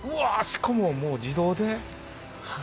しかももう自動で。